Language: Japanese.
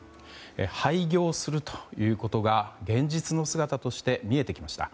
廃業するということが現実の姿として見えてきました。